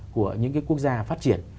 của những cái quốc gia phát triển